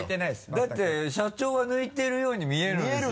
だって社長は抜いてるように見えるんですよね？